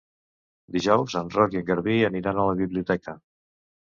Dijous en Roc i en Garbí aniran a la biblioteca.